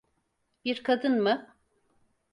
Bir kadın mı?